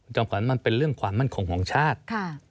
ขวัญมันเป็นเรื่องความมั่นคงของชาติ